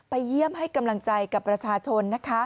ไปเยี่ยมให้กำลังใจกับประชาชน